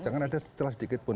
jangan ada celah sedikit pun